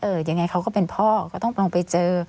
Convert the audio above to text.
ยังไงเขาก็เป็นพ่อก็ต้องลองไปเจอ